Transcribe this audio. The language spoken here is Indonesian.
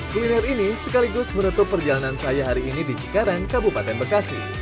kuliner ini sekaligus menutup perjalanan saya hari ini di cikarang kabupaten bekasi